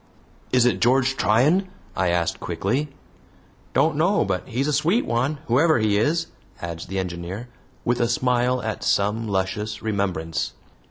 "Is it George Tryan?" I ask quickly. "Don't know; but he's a sweet one, whoever he is," adds the engineer, with a smile at some luscious remembrance.